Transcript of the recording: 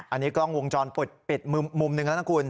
อันนี้กล้องวงจรเปิดมุมนึงนะท่านคุณ